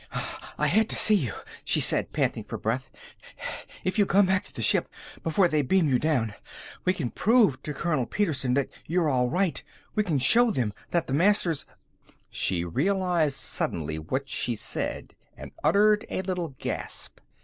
"I had to see you," she said, panting for breath. "If you'll come back to the ship before they beam you down, we can prove to Colonel Petersen that you're all right. We can show them that the Masters " She realized suddenly what she said and uttered a little gasp.